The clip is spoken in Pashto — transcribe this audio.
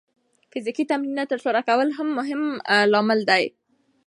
فزیکي تمرین نه ترسره کول هم مهم لامل دی.